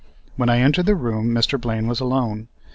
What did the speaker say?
When I entered the room Mr. Blaine was alone.